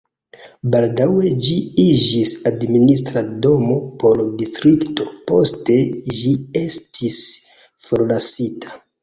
Baldaŭe ĝi iĝis administra domo por distrikto, poste ĝi estis forlasita.